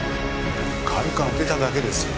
軽く当てただけですよ。